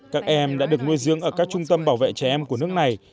các em đã được nuôi dưỡng ở các trung tâm bảo vệ trẻ em của nước này